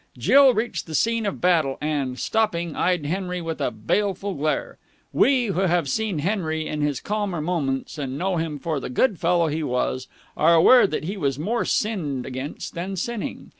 Jill reached the scene of battle, and, stopping, eyed Henry with a baleful glare. We, who have seen Henry in his calmer moments and know him for the good fellow he was, are aware that he was more sinned against than sinning.